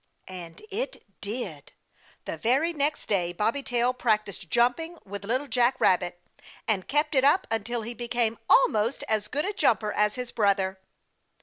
And it did. The very next day Bobby Tail practiced jumping with Little Jack Rabbit, and kept it up until he became almost as good a jumper as his brother.